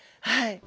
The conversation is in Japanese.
はい。